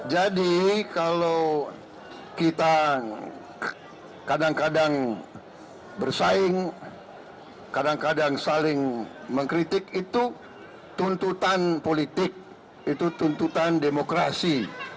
jadi kalau kita kadang kadang bersaing kadang kadang saling mengkritik itu tuntutan politik itu tuntutan demokrasi